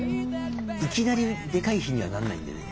いきなりでかい火にはなんないんでね。